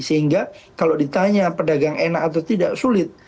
sehingga kalau ditanya pedagang enak atau tidak sulit